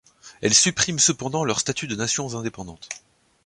Elle supprime cependant leur statut de nation indépendante.